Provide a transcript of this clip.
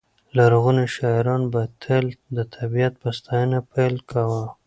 لرغوني شاعران به تل د طبیعت په ستاینه پیل کاوه.